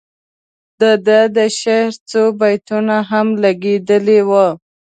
د ده د شعر څو بیتونه هم لګیدلي وو.